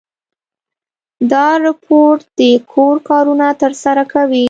دا روبوټ د کور کارونه ترسره کوي.